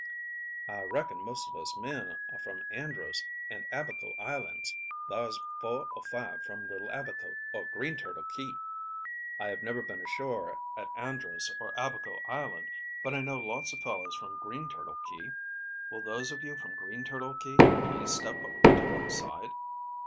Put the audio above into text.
"I reckon most of us men are from Andros and Abacco Islands. Thar's four or five from Little Abacco or Green Turtle Key." "I have never been ashore at Andros or Abacco Island, but I know lots of fellows from Green Turtle Key. Will those of you from Green Turtle Key please step to one side?"